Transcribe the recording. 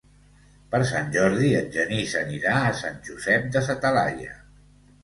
Per Sant Jordi en Genís anirà a Sant Josep de sa Talaia.